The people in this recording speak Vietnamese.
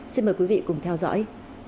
xin mời quý vị cùng theo dõi